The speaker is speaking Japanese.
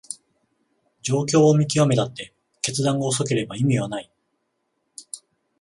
状況を見極めたって決断が遅ければ意味はない